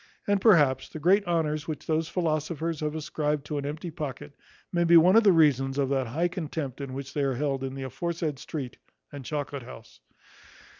And, perhaps, the great honours which those philosophers have ascribed to an empty pocket may be one of the reasons of that high contempt in which they are held in the aforesaid street and chocolate house.